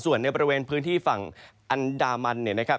ส่วนในบริเวณพื้นที่ฝั่งอันดามันเนี่ยนะครับ